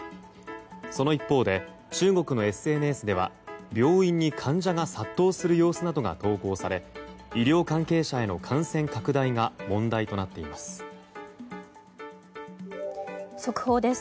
その一方で中国のＳＮＳでは病院に患者が殺到する様子などが投稿され医療関係者への感染拡大が問題となっています。